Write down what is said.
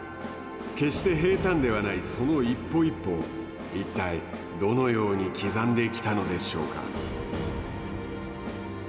決して平たんではないその一歩一歩を一体どのように刻んできたのでしょうか。